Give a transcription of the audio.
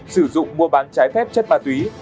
sử dụng mua bán trái phép chất ma túy